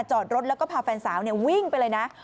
จอดรถแล้วก็พาแฟนสาววิ่งไปเลยนะ